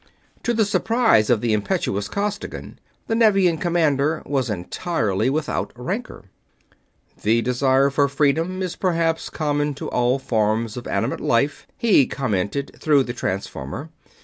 To the surprise of the impetuous Costigan, the Nevian commander was entirely without rancor. "The desire for freedom is perhaps common to all forms of animate life," he commented, through the transformer.